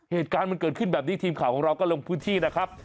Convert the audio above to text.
เหตุการณ์มันเกิดขึ้นแบบนี้ทีมข่าวของเราก็ลงพื้นที่นะครับ